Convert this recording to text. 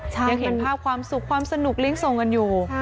ยังเห็นภาพความสุขความสนุกเลี้ยงส่งกันอยู่